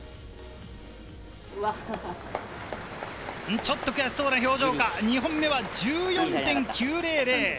ちょっと悔しそうな表情か、２本目は１４．９００。